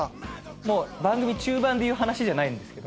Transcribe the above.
もう番組中盤で言う話じゃないんですけど。